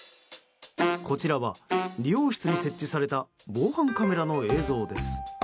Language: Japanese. こちらは理容室に設置された防犯カメラの映像です。